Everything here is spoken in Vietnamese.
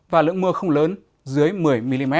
và lượng mưa không lớn dưới một mươi mm